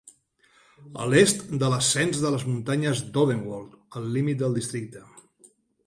A l'est de l'ascens de les muntanyes d'Odenwald al límit del districte.